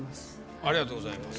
ありがとうございます